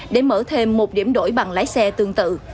để mở thêm một điểm đổi bằng lái xe tương tự